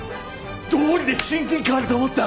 どうりで親近感あると思った！